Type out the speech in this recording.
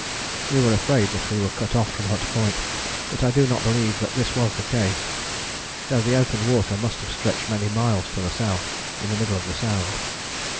We were afraid that we were cut off from Hut Point, but I do not believe that this was the case; though the open water must have stretched many miles to the south in the middle of the Sound.